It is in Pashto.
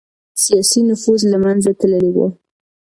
سياسي نفوذ له منځه تللی و.